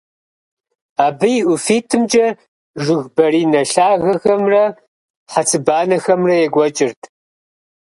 Абы и ӀуфитӀымкӀэ жыг баринэ лъагэхэмрэ хьэцыбанэхэмрэ екӀуэкӀырт.